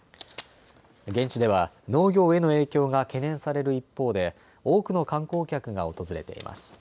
現地では農業への影響が懸念される一方で、多くの観光客が訪れています。